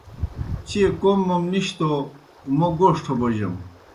چیئے کوْم موْم نِش توْ موْ گوݜٹھہ بوجَم۔